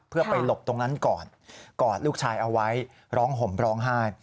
เพื่อไปหลบตรงนั้นก่อนกอดลูกชายเอาไว้ร้องห่มร้องไห้